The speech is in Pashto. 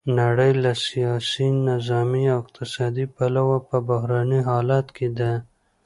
نړۍ له سیاسي، نظامي او اقتصادي پلوه په بحراني حالت کې ده.